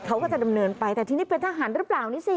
เขาก็จะดำเนินไปแต่ทีนี้เป็นทหารหรือเปล่านี่สิ